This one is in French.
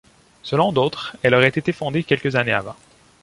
Selon d'autres, elle aurait été fondée quelques années avant.